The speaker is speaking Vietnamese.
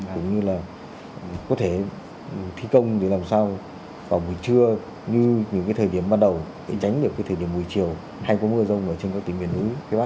cũng như là có thể thi công để làm sao vào buổi trưa như những thời điểm ban đầu để tránh được thời điểm buổi chiều hay có mưa rông ở trên các tỉnh biển núi